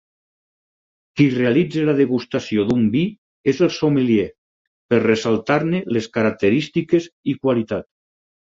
Qui realitza la degustació d'un vi és el sommelier per ressaltar-ne les característiques i qualitat.